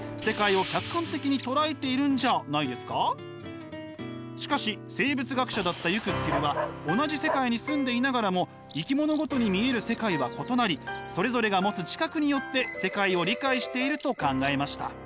そんな感じでしかし生物学者だったユクスキュルは同じ世界に住んでいながらも生き物ごとに見える世界は異なりそれぞれが持つ知覚によって世界を理解していると考えました。